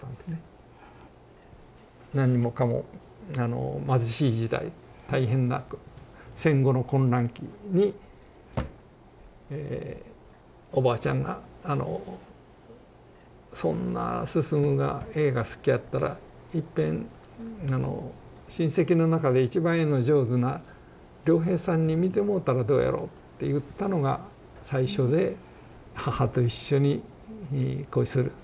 何もかもあの貧しい時代大変な戦後の混乱期にえおばあちゃんがあの「そんな晋が絵が好きやったらいっぺん親戚の中で一番絵の上手な良平さんに見てもろたらどうやろ？」って言ったのが最初で母と一緒に小磯先生の疎開先だった魚崎に会いに行きました。